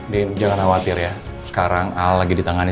masul khair lah bukannya kepikiran dari